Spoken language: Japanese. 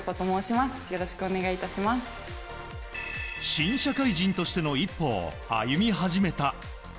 新社会人としての一歩を歩み始めた。